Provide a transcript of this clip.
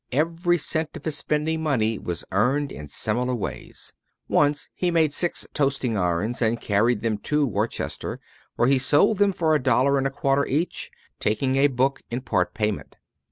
Every cent of his spending money was earned in similar ways. Once he made six toasting irons, and carried them to Worcester, where he sold them for a dollar and a quarter each, taking a book in part payment.